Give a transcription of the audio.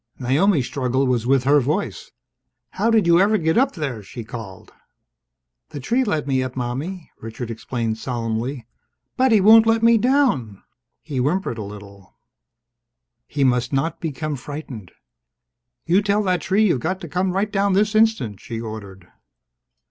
Naomi's struggle was with her voice. "How did you ever get up there?" she called. "The tree let me up, Mommie," Richard explained solemnly, "but he won't let me down!" He whimpered a little. He must not become frightened! "You tell that tree you've got to come right down this instant!" she ordered.